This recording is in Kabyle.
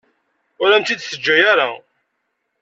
Ur am-tt-id-teǧǧa ara.